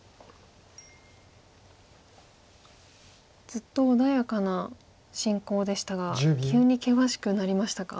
ずっと穏やかな進行でしたが急に険しくなりましたか？